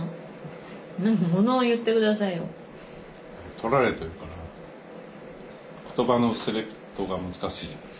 撮られてるから言葉のセレクトが難しいんです。